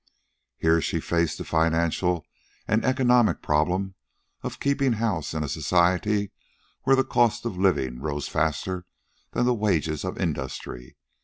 Here she faced the financial and economic problem of keeping house in a society where the cost of living rose faster than the wages of industry.